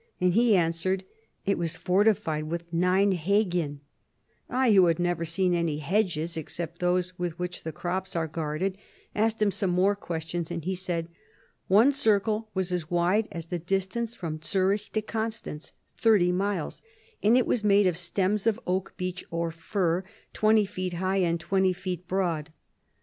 and he answered, " It was fortified with nine heginr I, who had never seen any hedges except those with which the crops are guarded, asked him some more questions, and he said, ' One circle was as wide as the distance from Zurich to Constance [thirty miles] : it v/as made of stems of oak, beech, or fir, twenty feet high and twenty feet broad.